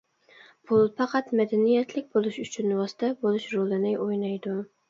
پۇل پەقەت مەدەنىيەتلىك بولۇش ئۈچۈن ۋاسىتە بولۇش رولىنى ئوينايدۇ.